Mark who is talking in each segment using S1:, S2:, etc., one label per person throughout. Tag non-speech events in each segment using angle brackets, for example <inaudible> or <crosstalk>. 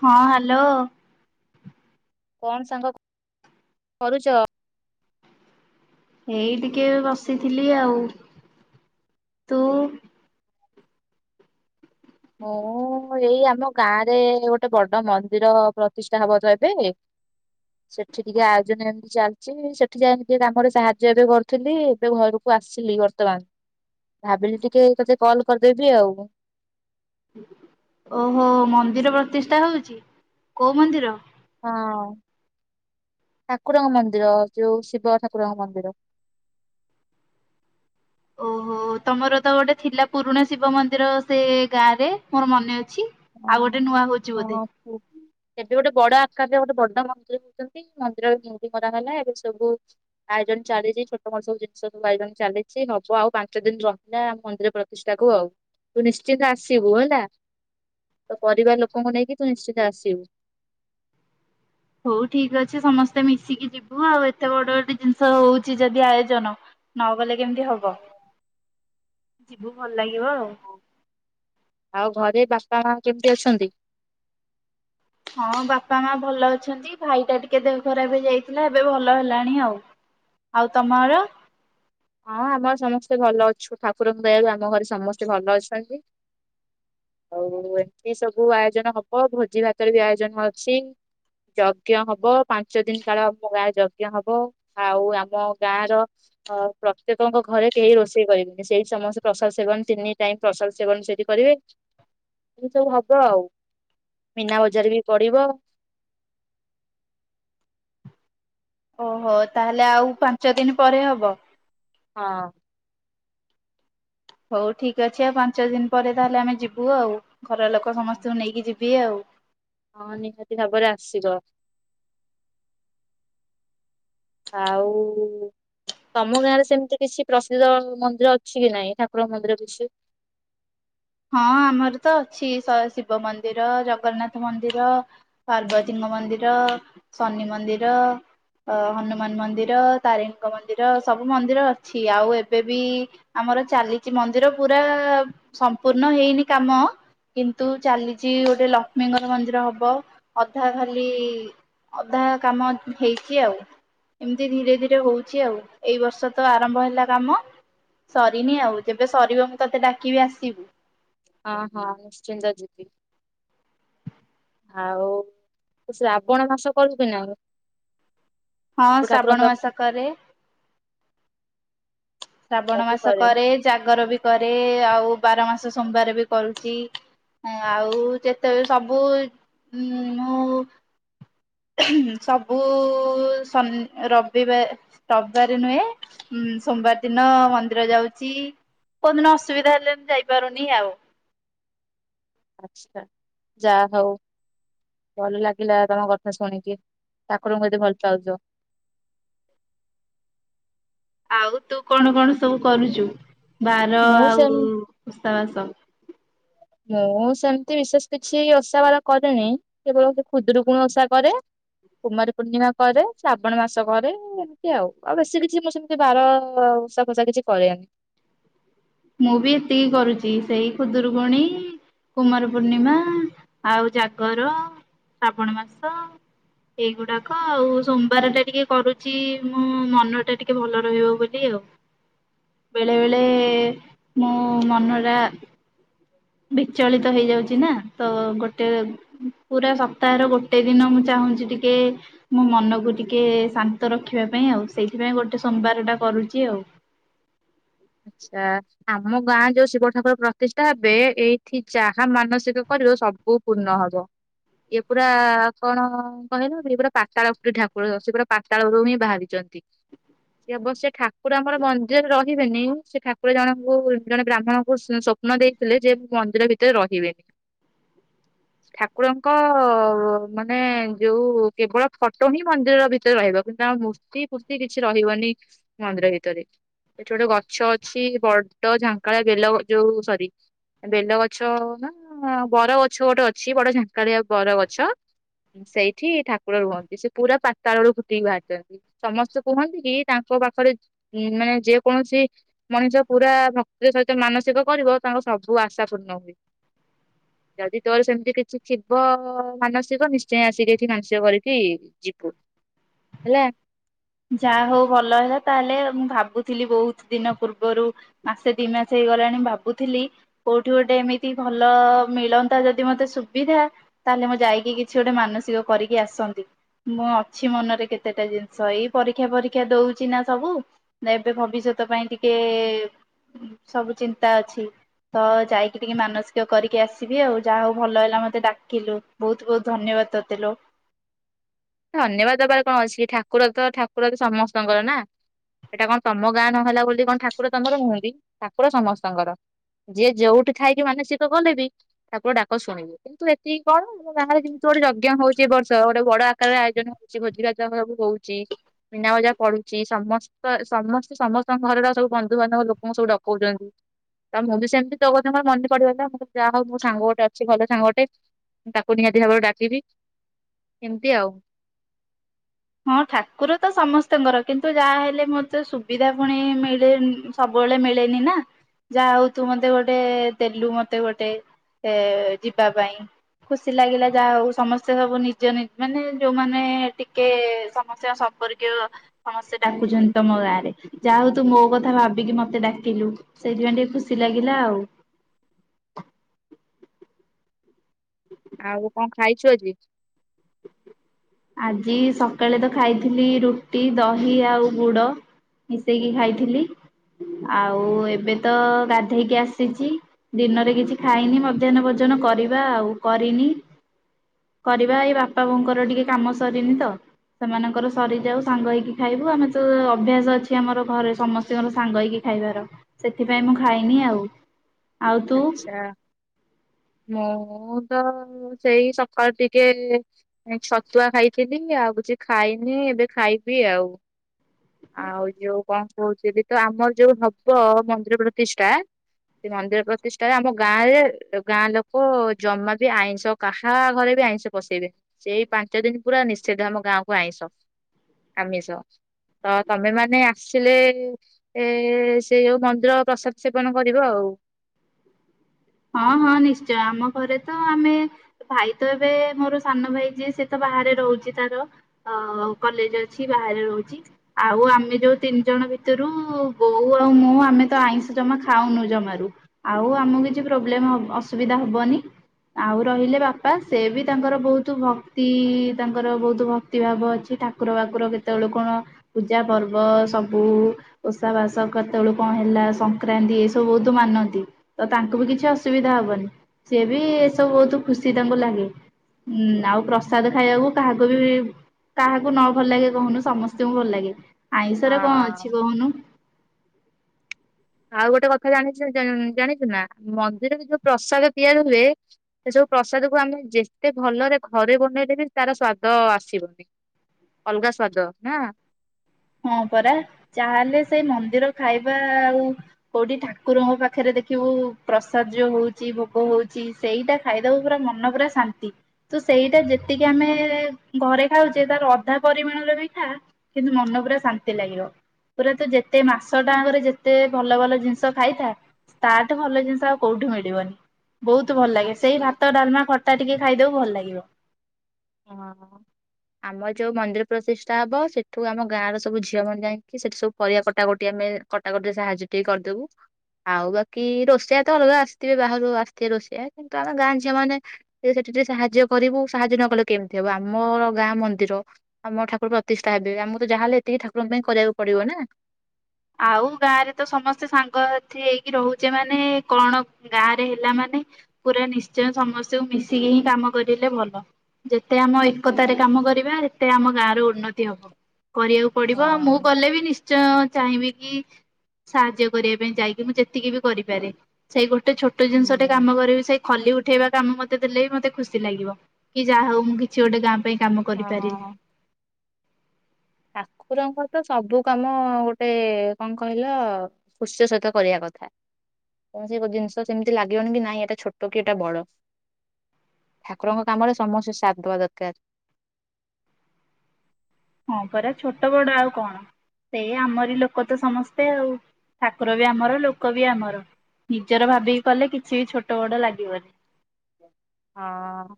S1: ହଁ ହ୍ୟାଲୋ।
S2: କଣ ସାଙ୍ଗ କରୁଛ?
S1: ହେଇ ଟିକେ ବସିଥିଲି ଆଉ ତୁ?
S2: ହୋ ଅ। ଏଇ ଆମ ଗାଁରେ ଗୋଟେ ବଡ ମନ୍ଦିର ପ୍ରତିଷ୍ଠା ହବ ତ ଏବେ। ସେଠି ଟିକେ ଆୟୋଜନ ଏମିତି ଚାଲିଛି ସେଠି ଯାଇକି କାମରେ ସାହାଯ୍ୟ ଏବେ କରୁଥିଲି ଏବେ ଘରକୁ ଆସିଲି ବର ବର୍ତ୍ତମାନ ଭାବିଲି ଟିକେ ତୋତେ କଲ କରିଦେବି ଆଉ।
S1: ଓହୋ ମନ୍ଦିର ପ୍ରତିଷ୍ଠା ହଉଛି କୋଉ ମନ୍ଦିର?
S2: ହଁ ଠାକୁରଙ୍କ ମନ୍ଦିର ଯୋଉ ଶିବ ଠାକୁରଙ୍କ ମନ୍ଦିର।
S1: ଓହୋ ତମର ତ ଗୋଟେ ଥିଲା ପୁରୁଣା ଶିବ ମନ୍ଦିର ସେ ଗାଁରେ ମୋର ମନେ ଅଛି। ଆଉ ଗୋଟେ ନୂଆ ହଉଛି ବୋଧେ।
S2: ହୁ ଏବେ ଗୋଟେ ବଡ ଆକାରରେ ଗୋଟେ ବଡ଼ ମନ୍ଦିର ହଉଛନ୍ତି ମନ୍ଦିରରେ ମୁଣ୍ଡି ମରାଗଲା ଏବେ ସବୁ ଆୟୋଜନ ଚାଲିଛି ଛୋଟ ମୋଟ ସବୁ ଜିନିଷ ସବୁ ଆୟୋଜନ ଚାଲିଛି ହବ ଆଉ ପାଞ୍ଚ ଦିନ ରହିଲା ଆମ ମନ୍ଦିର ପ୍ର ଷ୍ଟାକୁୁ ଆଉ ତୁ ନିଶ୍ଚିନ୍ତ ଆସିବୁ ହେଲା। ତୋ ପରିବାର ଲୋକଙ୍କୁ ନେଇକି ତୁ ନିଶ୍ଚିନ୍ତ ଆସିବୁ।
S1: ହଉ ଠିକ ଅଛି ସମସ୍ତେ ମିଶିକି ଯିବୁ ଆଉ ଏତେ ବଡ ଗୋଟେ ଜିନିଷ ହଉଛି ଯଦି ଆୟୋଜନ ନ ଗଲେ କେମିତି ହବ ଯିବୁ ଭଲ ଲାଗିବ ଆଉ।
S2: ଆଉ ଘରେ ବାପା ମା କେମିତି ଅଛନ୍ତି?
S1: ହଁ ବାପା ମା ଭଲ ଅଛନ୍ତି ଭାଇଟା ଟିକେ ଦେହ ଖରାପ ହେଇଯାଇଥିଲା ଏବେ ଭଲ ହେଲାଣି ଆଉ। ଆଉ ତମର
S2: ହଁ ଆମର ସମସ୍ତେ ଭଲ ଅଛୁ ଠାକୁରଙ୍କ ଦୟାରୁ ଆମ ଘରେ ସମସ୍ତେ ଭଲ ଅଛନ୍ତି। ଆଉ ଏମ୍ତି ସବୁ ଆୟୋଜନ ହବ ଭୋଜି ଭାତରେ ବି ଆୟୋଜନ ଅଛି ଯଜ୍ଞ ହବ ପାଞ୍ଚ ଦିନ୍ କାଳ ପ୍ରାୟେ ଯଜ୍ଞ ହବ ଆଉ ଆମ ଗାଁ ର ଅ ପ୍ରତ୍ୟେକଙ୍କ ଘରେ କେହି ରୋଷେଇ କରିବେନି ସେଇ ସମସ୍ତେ ପ୍ରସାଦ୍ ସେବନ୍ ତିନି ଟାଇମ୍ ପ୍ରସାଦ୍ ସେବନ୍ ସେଇଠି କରିବେ ଏ ସବୁ ହବ ଆଉ ମୀନା ବଜାର୍ ବି ପଡିବ
S1: ଓହୋ ତାହେଲେ ଆଉ ପାଞ୍ଚ ଦିନ୍ ପରେ ହବ?
S2: ହଁ।
S1: ହଉ ଠିକ୍ ଅଛି ଆଉ ପାଞ୍ଚ ଦିନ୍ ପରେ ତାହେଲେ ଆମେ ଯିବୁ ଆଉ ଘର ଲୋକ ସମସ୍ତଙ୍କୁ ନେଇକି ଯିବି ଆଉ।
S2: ହଁ ନିହାତି ଭାବରେ ଆସିବ। ଆଉ ତମ ଗାଁ ରେ ସେମ୍ତି କିଛି ପ୍ରସିଦ୍ଧ ମନ୍ଦିର ଅଛି କି ନାଇଁ ଠାକୁର ମନ୍ଦିର କିଛି?
S1: ହଁ ଆମର୍ ତ ଅଛି ଶହେ ଶିବ ମନ୍ଦିର, ଜଗନ୍ନାଥ୍ ମନ୍ଦିର ପାର୍ବତୀଙ୍କ ମନ୍ଦିର, ଶନି ମନ୍ଦିର ଅ ହନୁମାନ୍ ମନ୍ଦିର, ତାରିଙ୍କ ମନ୍ଦିର ସବୁ ମନ୍ଦିର ଅଛି ଆଉ ଏବେ ବି ଆମର ଚାଲିଛି ମନ୍ଦିର ପୁରା ସମ୍ପୂର୍ଣ୍ଣ ହେଇନି କାମ କିନ୍ତୁ ଚାଲିଛି ଗୋଟେ ଲକ୍ଷ୍ମୀଙ୍କର ମନ୍ଦିର ହବ ଅଧା ଖାଲି ଅଧା କାମ ହେଇଚି ଆଉ। ଏମିତି ଧୀରେ ଧୀରେ ହଉଚି ଆଉ ଏଇ ବର୍ଷ ତ ଆରମ୍ଭ ହେଲା କାମ ସରିନି ଆଉ ଯେବେ ସରିବ ମୁଁ ତତେ ଡାକିବି ଆସିବୁ?
S2: ହଁହଁ ନିଶ୍ଚିନ୍ତ ଯିବି। ଆଉ ତୁ ଶ୍ରାବଣ ମାସ କରୁଚୁ ନା ଆଉ?
S1: ହଁ ଶ୍ରାବଣ ମାସ କରେ। ଶ୍ରାବଣ ମାସ କରେ ଜାଗର ବି କରେ ଆଉ ବାର ମାସ ସୋମବାରେ ବି କରୁଚି। ହଁ ଆଉ ଯେତେବେଳେ ସବୁ ଉଁ ମୁଁ ସବୁ ସନ୍ ରବିବାରେ ଶବ୍ଦାରେ ନୁହେଁ ହୁଁ ସୋମବାର୍ ଦିନ ମନ୍ଦିର ଯାଉଚି କୋଉଦିନ ଅସୁବିଧା ହେଲେ ମୁ ଯାଇପାରୁନି ଆଉ।
S2: ଆଛା ଯା ହଉ। ଭଲ୍ ଲାଗିଲା ତମ କଥା ଶୁଣିକି ଠାରଙ୍କୁ ଏତେ ଭଲ୍ ପାଉଚ।
S1: ଆଉ ତୁ କଣ କଣ ସବୁ କରୁଚୁ ବାର
S2: ମୁଁ
S1: ଆଉ
S2: ସେମ
S1: ଉଷାବାସ?
S2: ମୁଁ ସେମ୍ତି ବିଶେଷ୍ କିଛି ଓଷା ବାର କରେନି କେବଳ ସେ ଖୁଦ୍ରୁକୁୁଣି ଓଷା କରେ କୁମାରୀ ପୂର୍ଣ୍ଣିମା କରେ ଶ୍ରାବଣ ମାସ କରେ ଏମ୍ତି ଆଉ ଆଉ ବେଶୀ କିଛି ମୁଁ ସେ ସେ ବାର ଓଷା ପୋଷା କିଛି କରିବାର୍
S1: ମୁଁ ବି ଏତିକି କରୁଚି ସେଇ ଖୁଦୁରୁକୁୁଣୀ କୁମାର ପୂର୍ଣ୍ଣିମା, ଆଉ ଜାଗର, ଶ୍ରାବଣ ମାସ ଏଇଗୁଡାକ ଆଉ ସୋମ୍ବାର ଟା ଟିକେ କରୁଛି ମୋ ମନ ଟା ଟିକେ ଭଲ ରହିବ ବୋଲି ଆଉ। ବେଳେ ବେଳେ ମୋ ମନଜା ବିଚଳିତ ହେଇଯାଉଛି ନା ତ ଗୋଟେରେ ପୁରା ସପ୍ତାହର ଗୋଟେ ଦିନ ମୁଁ ଚାହୁଁଛି ଟିକେ ମୋ ମନକୁ ଟିକେ ଶାନ୍ତ ରଖିବା ପାଇଁ ଆଉ ସେଇଥିପାଇଁ ଗୋଟେ ସୋମ୍ବାର ଟା କରୁଛି ଆଉ।
S2: ଆଛା। ଆମ ଗାଁ ଯଉ ଶିବ ଠାକୁର ପ୍ରତିଷ୍ଠା ହେବେ ଏଇଠି ଯାହା ମାନସିକ କରିବ ସବୁ ପୂର୍ଣ୍ଣ ହବ। ଇଏ ପୁରା କଣ କହିଲ? ସେ ପୁରା ପାତାଳଫୁଟି ଠାକୁର ସେ ପୁରା ପାତାଳରୁ ହିଁ ବାହାରିଛନ୍ତି। ସେ ଅବଶ୍ୟ ଠାକୁର ଆମର ମନ୍ଦିରରେ ରହିବେନି ସେ ଠାକୁର ଜଣଙ୍କୁ ଜଣେ ବ୍ରାହ୍ମଣଙ୍କୁ ସ୍ୱପ୍ନ ଦେଇଥିଲେ ଯେ ମୁଁ ମନ୍ଦିର ଭିତରେ ରହିବେନି। <inaudible> ଠାକୁରଙ୍କ ମାନେ ଯୋଉ କେବଳ ଫଟୋ ହିଁ ମନ୍ଦିର ଭିତରେ ରହିବ କିନ୍ତୁ ମୂର୍ତ୍ତି ଫୁର୍ତ୍ତି କିଛି ରହିବନି ମନ୍ଦିର ଭିତରେ। ଏଠି ଗୋଟେ ଗଛ ଛି ବଡ ଝାଙ୍କାଳି ବେଲ ଯୋଉ ସରି ବେଲଗଛ ନା ବର ଗଛ ଗୋଟେ ଅଛି ବଡ ଝାଙ୍କାଳିଆ ବର ଗଛ। ସେଇଠି ଠାକୁର ରୁହନ୍ତି। ସେ ପୁରା ପାତାଳରୁ ଫୁଟିକି ବାହାରିଛନ୍ତି। ସମସ୍ତେ କୁହନ୍ତି କି ତାଙ୍କ ପାଖରେ ମାନେ ଯେ କୌଣସି ମଣିଷ ପୁରା ଭକ୍ତିର ସହିତ ମାନସିକ କରିବ ତାଙ୍କ ସବୁ ଆଶା ପୂର୍ଣ୍ଣ ହୁଏ। ଯଦି ତର ସେମିତି କିଛି ଥିବ ମାନସିକ ନିଶ୍ଚୟ ଆସିକି ଏଠି ମାନସିକ କରିକି ଯିବୁ ହେଲା।
S1: ଯାହା ହଉ ଭଲ ହେଲା ତାହେଲେ ମୁଁ ଭାବୁଥିଲି ବହୁତ ଦିନ ପୂର୍ବରୁ ମାସେ ଦି ମାସେ ହେଇଗଲାଣି ଭାବୁଥିଲି କୋଉଠି ଗୋଟେ ଏମିତି ଭଲ ମିଳନ୍ତା ଯଦି ମତେ ସୁବିଧା ତାହେଲେ ମୁଁ ଯାଇକି କିଛି ଗୋଟେ ମାନସିକ କରିକି ଆସନ୍ତି। ମୁଁ ଅଛି ମନରେ କେତେଟା ଜିନିଷ ଏଇ ପରୀକ୍ଷା-ପରୀକ୍ଷା ଦଉଛି ନା ସବୁ। ଏବେ ଭବିଷ୍ୟତ ପାଇଁ ଟିକେ ସବୁଚିନ୍ତା ଅଛି। ତ ଯାଇକି ଟିକେ ମାନସିକ କରିକି ଆସିବି ଆଉ ଯାହା ହଉ ଭଲ ହେଲା ମତେ ଡାକିଲୁ। ବହୁତ-ବହୁତ ଧନ୍ୟବାଦ ତତେ ଲୋ।
S2: ଧନ୍ୟବାଦ ଦବାର କଣ ଅଛି। ଠାକୁର ତ ଠାକୁର ବି ସମସ୍ତଙ୍କର ନା। ଏଇଟା କଣ ତମ ଗାଁ ନହେଲା ବୋଲି କଣ ଠାକୁର ତମର ନୁହନ୍ତି। ଠାକୁର ସମସ୍ତଙ୍କର। ଯିଏ ଯୋଉଠି ଥାଇକି ମାନସିକ କଲେ ବି ଠାକୁର ଡାକ ଶୁଣିବେ। କିନ୍ତୁ ଏତିକି କଣ ଆମ ଗାଁରେ ଯେମିତି ଗୋଟେ ଯଜ୍ଞ ହୋଉଛି ଏ ବର୍ଷ ଗୋଟେ ବଡ଼ ଆକା ଆୟୋଜନ ହଉଛି ଭୋଜି ସବୁ ହଉଛି। ମିନାବଜାର ପଡ଼ୁଛି ସମସ୍ତ ସମସ୍ତେ ସମସ୍ତଙ୍କ ଘରର ସବୁ ବନ୍ଧୁବାନ୍ଧବ ଲୋକଙ୍କୁ ସବୁ ଡକଉଛନ୍ତି। ତ ମୁଁ ବି ସେମତି ତୋ କଥା ମୋର ମନେ ପଡ଼ିଗଲା ମୁଁ କହିଲି ଯାହା ହଉ ମୋ ସାଙ୍ଗ ଗୋଟେ ଅଛି। ଭଲ ସାଙ୍ଗ ଗୋଟେ ତାକୁ ନିହାତି ଭାବରେ ଡାକିବି। ଏମିତି ଆଉ
S1: ହଁ ଠାକୁର ତ ସମସ୍ତିଙ୍କର କିନ୍ତୁ ଯାହାହଲେ ମତେ ସୁବିଧା ପୁଣି ମିଳେ ସବୁବେଳେ ମିଳେନି ନା। ଯାହା ହଉ ତୁ ମତେ ଗୋଟେ ଦେଲୁ ମତେ ଗୋଟେ ଏ ଯିବା ପାଇଁ। ଖୁସି ଲାଗିଲା ଯାହା ହଉ ସମସ୍ତେ ସବୁ ନିଜ ନି ମାନେ ଯୋଉମାନେ ଟିକେ ସମସ୍ତିଙ୍କ ସମ୍ପର୍କୀୟ ସମସ୍ତେ ଡାକୁଛନ୍ତି ତମ ଗାଁ ରେ। ଯା ହଉ ତୁ ମୋ କଥା ଭାବିକି ମତେ ଡାକିଲୁ ସେଥିପାଇଁ ଟିକେ ଖୁସି ଲାଗିଲା ଆଉ। <inaudible>
S2: ଆଉ କଁ ଖାଇଛୁ ଆଜି?
S1: ଆଜି ସକାଳେ ତ ଖାଇଥିଲି ରୁଟି ଦହି ଆଉ ଗୁଡ଼। ମିଶେଇକି ଖାଇଥିଲି। ଆଉ ଏବେ ତ ଗାଧେଇକି ଆସିଛି। ଦିନରେ କିଛି ଖାଇନି ମଧ୍ୟାହ୍ନନ ଭୋଜନ କରିବା ଆଉ କରିନି। କରିବା ଏଇ ବାପା ବୋଉଙ୍କର ଟିକେ କାମ ସରିନି ତ। ସେମାନଙ୍କର ସରିଯାଉ ସାଙ୍ଗ ହେଇକି ଖାଇବୁ ଆମେ ତ ଅଭ୍ୟାସ ଅଛି ଆମର ଘରେ ସମସ୍ତିଙ୍କର ସାଙ୍ଗ ହେଇକି ଖାଇବାର ସେଥିପାଇଁ ମୁଁ ଖାଇନି ଆଉ। ଆଉ ତୁ?
S2: ଆଛା ମୁଁ ତ ସେଇ ସକାଳୁ ଟିକେ ଏଇ ଛତୁଆ ଖାଇଥିଲି ଆଉ କିଛି ଖାଇନି ଏବେ ଖାଇବି ଆଉ। ଆଉ ଯୋଉ କଣ କହୁଥିଲି ତ ଆମର ଯୋଉ ହବ ମନ୍ଦିର ପ୍ରତିଷ୍ଠା। ସେ ମନ୍ଦିର ପ୍ର ତିଷ୍ଟାରେ ଆମ ଗାଁରେ ଗାଁ ଲୋକ ଜମା ବି ଆଇଁଷ କାହା ଘରେ ବି ଆଇଁଷ ପସେଇବେ ସେଇ ପାଞ୍ଚ ଦିନ ପୁରା ନିସେଧ ଆମ ଗାଁକୁ ଆଇଁଷ ଆମିଷ। ତ ତମେମାନେ ଆସିଲେ ଏ ସେ ଯୋଉ ମନ୍ଦିର ପ୍ରସାଦ ସେବନ କରିବ ଆଉ।
S1: ହଁ ହଁ ନିଶ୍ଚୟ ଆମ ଘରେ ତ ଆମେ ଭାଇ ତ ଏବେ ମୋର ସାନ ଭାଇ ଯିଏ ସେ ତ ବାହାରେ ରହୁଚି ତାର। ଅ କଲେଜ ଯାଉଚି ବାହାରେ ରହୁଚି। ଆଉ ଆମେ ଯୋଉ ତିନି ଜଣ ଭିତରୁ ବୋଉ ଆଉ ମୁଁ ଆମେ ତ ଆଇଁଷ ଜମା ଖାଉନୁ ଜମାରୁ। ଆଉ ଆମକୁ କିଛି ପ୍ରୋବ୍ଲେମ ହବ ଅସୁବିଧା ହବନି। ଆଉ ରହିଲେ ବାପା ସେ ବି ତାଙ୍କର ବହୁତ ଭକ୍ତି ତାଙ୍କର ବହୁତ ଭ କ୍ତିଭାବ ଅଛି ଠାକୁର ବାକୁର କେତେବେଳେ କଣ ପୂଜା ପର୍ବ ସବୁ ଓଷା ବାସ କେତେବେଳୁ କଣ ହେଲା ସଂକ୍ରାନ୍ତି ଏଇସବୁ ବୋହୁତୁ ମାନନ୍ତି। ତ ତାଙ୍କୁ ବି କିଛି ଅସୁବିଧା ହବନି ସିଏ ବି ଏସବୁ ବୋହୁତୁ ଖୁସି ତାଙ୍କୁ ଲାଗେ। ହୁଁ ଆଉ ପ୍ରସାଦ ଖାଇବାକୁ କାହାକୁ ବି କାହାକୁ ନ ଭଲ ଲାଗେ କୋହୁନୁ। ସମସ୍ତଙ୍କୁ ଭଲ ଲାଗେ। ଆଇଁଷରେ କଣ
S2: ହଁ।
S1: ଅଛି କୋହୁନୁ।
S2: ଆଉ ଗୋଟେ କଥା ଜାଣିଛୁ ଜା-ଜାଣିଚୁ ନା ମନ୍ଦିରରେ ଯୋଉ ପ୍ରସାଦ ତିଆରି ହୁଏ। ସେ ସବୁ ପ୍ରସାଦକୁ ଆମେ ଯେତେ ଭଲରେ ଘରେ ବନେଇଲେବି ତାର ସ୍ଵାଦ ଆସିବନି। ଅଲଗା ସ୍ଵାଦ ନାଁ।
S1: ହଁ ପରା ଯାହା ହେଲେ ସେ ମନ୍ଦିର ଖାଇବା ଆଉ କୋଉଠି ଠାକୁରଙ୍କ ପାଖରେ ଦେଖିବୁ ପ୍ରସାଦ ଯୋଉ ହଉଚି ଭୋଗ ହଉଚି ସେଇଟା ଖାଇଦୋବୁ ପୁରା ମନ ପୁରା ଶାନ୍ତି। ତୁ ସେଇଟା ଯେତିକି ଆମେ ଘରେ ଖାଉଚେ ତାର ଅଧା ପରିମାଣରେ ବି ଖା କିନ୍ତୁ ମନ ପୁରା ଶାନ୍ତି ଲାଗିବ। ପୁରା ତୁ ଯେତେ ମାସଟାଙ୍କରେ ଯେତେ ଭଲ ଭଲ ଜିନିଷ ଖାଇଥା। ତା ଠୁ ଭଲ ଜିନିଷ ଆଉ କୋଉଠୁ ମିଳିବନି। ବହୁତ ଭଲ ଲାଗେ ସେଇ
S2: ଆଚ୍ଛା।
S1: ଭାତ ଡାଲମା ଖଟା ଟିକେ ଖାଇଦୋବୁ ଭଲ ଲାଗିବ।
S2: ହଁ। ଆମର ଯୋଉ ମନ୍ଦିର ପ୍ରତିଷ୍ଠା ହବ ସେଠୁ ଆମ ଗାଁର ସବୁ ଝିଅ ମାନେ ଯାଇକି ସେଠି ସବୁ ପରିବା କଟା କୁଟି ଆମେ କଟା କୁଟିରେ ସାହାଯ୍ୟ ଟିକେ କରିଦୋବୁ। ଆଉ ବାକି ରୋଷେୟା ତ ଅଲଗା ଆସିଥିବେ ବାହାରୁ ଆସିଥିବେ ରୋଷେୟା କିନ୍ତୁ ଆମେ ଗାଁ ଝିଅ ମାନେ ସିଏ ସେଠି ଟିକେ ସାହାଯ୍ୟ କରିବୁ ସାହାଯ୍ୟ ନ କଲେ କେମିତି ହବ ଆମର ଗାଁ ମନ୍ଦିର। ଆମ ଠାକୁର ପ୍ରତିଷ୍ଠା ହେବେ ଆମକୁ ତ ଯାହା ହେଲେ ଏତିକି ଠାକୁରଙ୍କ ପାଇଁ କରିବାକୁ ପଡିବ ନା।
S1: ଆଉ ଗାଁରେ ତ ସମସ୍ତେ ସାଙ୍ଗ ସାଥି ହେଇକି ରହୁଚେ ମାନେ କଣ ଗାଁରେ ହେଲା ମାନେ ପୁରା ନିଶ୍ଚୟ ସମସ୍ତିଙ୍କୁ ମିଶିକି ହିଁ କାମ କରିଲେ ଭଲ। ଯେତେ ଆମ ଏକତାରେ କାମ କରିବା ହେତେ ଆମ ଗାଁର ଉନ୍ନତି ହବ କରିବାକୁ ପଡିବ ମୁଁ
S2: ହଁ।
S1: ଗଲେ ବି ନିଶ୍ଚୟ ଚାହିଁବି କି ସାହାଯ୍ୟ କରିବା ପାଇଁ ଯାଇକି ମୁଁ ଯେତିକି ବି କରିପାରେ ସେଇ ଗୋଟେ ଛୋ ଟ ଜିନିଷଟେ
S2: ହୁଁ
S1: କାମ କରିବି ସେଇ ଖଲି ଉଠେଇବା କାମ ମତେ ଦେଲେ ବି ମତେ ଖୁସି ଲାଗିବ କି ଯାହା ହୋଉ ମୁଁ କିଛି ଗୋଟେ ଗାଁ ପାଇଁ କାମ କରିପାରିବି।
S2: ହଁ ଠାକୁରଙ୍କର ତ ସବୁ କାମ ଗୋଟେ କଣ କହିଲ ଖୁସିର ସହିତ କରିବା କଥା। କୌଣସି ଏକ ଜିନିଷ ସେମିତି ଲାଗିବନି କି ନାଇଁ ଏଇଟା ଛୋଟ କି ଏଟା ବଡ। ଠାକୁରଙ୍କ କାମରେ ସମସ୍ତେ ସାଥ ଦବା ଦରକାର।
S1: ହଁ ପରା ଛୋଟ ବଡ ଆଉ କଣ। ସେଇ ଆମରି ଲୋକ ତ ସମସ୍ତେ ଆଉ ଠାକୁର ବି ଆମର ଲୋକ ବି ଆମର। ନିଜର ଭାବିକି କଲେ କିଛି ବି ଛୋଟ ବଡ ଲାଗିବନି।
S2: ହଁ।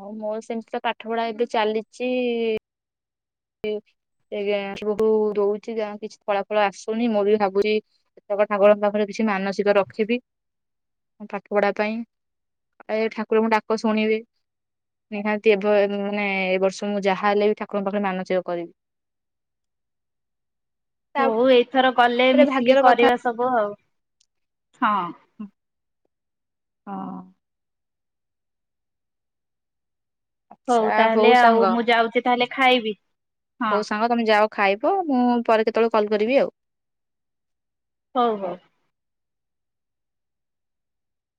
S2: ହଉ ମୋର ସେମିତି ତ ପାଠ ପଢା ଏବେ ଚାଲିଚି। ଏ ଗାଁ ବୋହୂ ରହୁଛି ଯାହା କିଛି ଫଳା ଫଳ ଆସୁନି ମୁଁ ବି ଭାବୁଛି ଜଗା ଠାକୁରଙ୍କ ପାଖରେ କିଛି ମାନସିକ ରଖିବିି। ପାଠ ପଢା ପାଇଁ କାଳେ ଠାକୁର ଡାକ ଶୁଣିବେ। ନିହାତି ଏବେ ମାନେ ଏ ବର୍ଷ ମୁଁ ଯାହା ହେଲେ ବି ଠାକୁରଙ୍କ ପାଖରେ ମାନସିକ କରିବି।
S1: ହଉ
S2: ତାପରେ
S1: ଏଇଥର ଗଲେ ମିଶିକି
S2: ଭାଗ୍ୟର କଥା
S1: କରିବା ସବୁ ଆଉ ହଁ।
S2: ହୁଁ। ହଁ।
S1: ହଉ
S2: ଆଚ୍ଛା
S1: ତାହେଲେ ଆଉ
S2: ସାଙ୍ଗ
S1: ମୁଁ ଯାଉଚି ତାହେଲେ ଖାଇବି। ହଁ
S2: ହଉ ସାଙ୍ଗ ତମେ ଯାଅ ଖାଇବ ମୁଁ ପରେ କେତେବେଳେ କଲ୍ କରିବି ଆଉ।
S1: ହଉ ହଉ।